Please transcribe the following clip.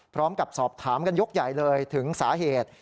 พร้อมกับสอบถามกันยกใหญ่เลยถึงสาเหตุ